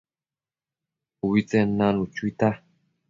ubitsen nanu chuita